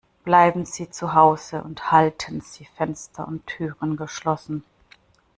Bleiben Sie zu Hause und halten Sie Fenster und Türen geschlossen.